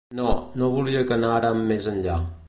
No, no volia que anàrem més enllà.